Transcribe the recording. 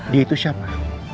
dia itu siapa